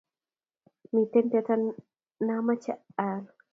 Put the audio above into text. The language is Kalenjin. miten teta namache ayal